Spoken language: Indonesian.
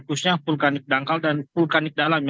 khususnya vulkanik dangkal dan vulkanik dalam